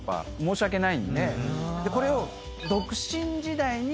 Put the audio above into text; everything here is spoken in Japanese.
これを。